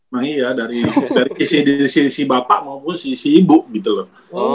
nah iya dari sisi bapak maupun si si ibu gitu loh